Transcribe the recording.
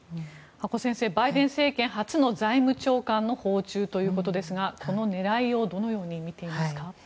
阿古先生バイデン政権初の財務長官の訪中ということですがこの狙いをどのように見ていますか？